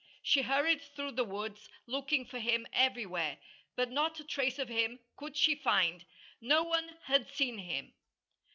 She hurried through the woods, looking for him everywhere. But not a trace of him could she find. No one had seen him.